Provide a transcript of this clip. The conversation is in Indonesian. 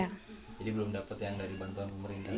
jadi belum dapet yang dari bantuan pemerintah